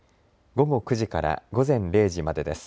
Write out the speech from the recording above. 午後９時から午前０時までです。